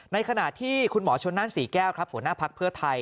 ในขณะที่คุณหมอชนนั่นศรีแก้วครับหัวหน้าภักดิ์เพื่อไทย